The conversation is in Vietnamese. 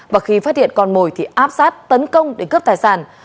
và khi phát hiện con mồi thì áp sát tấn công để cướp tài sản